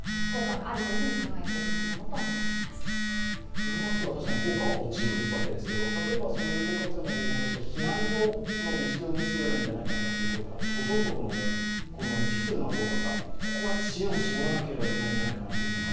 布マスクは確かに効果は落ちるわけですけど例えば有効活用の方法として、避難所の備蓄用にすればいいんじゃないかとか、途上国の子供に寄付するのはどうかとか、ここは知恵を絞らないといけないんじゃないかと。